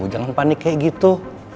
jangan panik kayak gitu